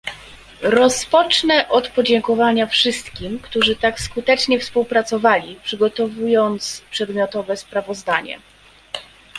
Rozpocznę od podziękowania wszystkim, którzy tak skutecznie współpracowali przygotowując przedmiotowe sprawozdanie